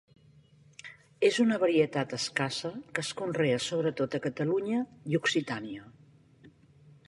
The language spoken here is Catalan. És una varietat escassa que es conrea sobretot a Catalunya i Occitània.